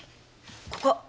ここ！